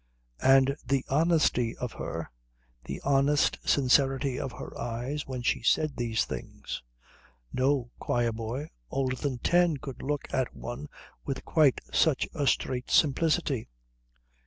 And the honesty of her; the honest sincerity of her eyes when she said these things. No choir boy older than ten could look at one with quite such a straight simplicity.